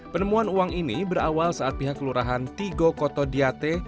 penemuan uang ini berawal saat pihak lurahan tigo koto diate